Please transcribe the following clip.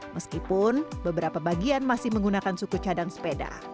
meskipun beberapa bagian masih menggunakan suku cadang sepeda